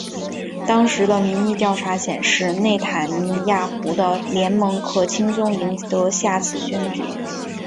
当时的民意调查显示内塔尼亚胡的联盟可轻松赢得下次选举。